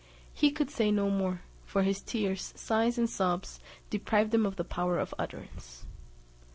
He could say no more, for his tears, sighs, and sobs, deprived him of the power of utterance.